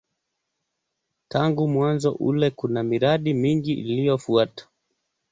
Tangu mwanzo ule kuna miradi mingi iliyofuata.